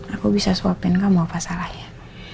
aku bisa suapin kamu apa salahnya